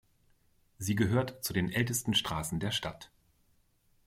Sie gehört zu den ältesten Straßen der Stadt.